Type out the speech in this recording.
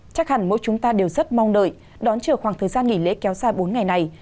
chắc hẳn mỗi chúng ta đều rất mong đợi đón chờ khoảng thời gian nghỉ lễ kéo dài bốn ngày này